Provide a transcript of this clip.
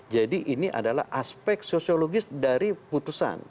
jadi ini adalah aspek sosiologis dari putusan